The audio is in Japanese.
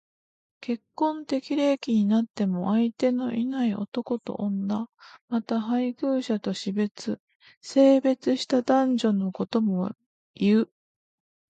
結婚適齢期になっても相手のいない男と女。また、配偶者と死別、生別した男女のことも言う。